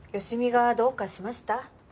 好美がどうかしました？